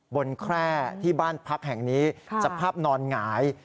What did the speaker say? แคร่ที่บ้านพักแห่งนี้สภาพนอนหงาย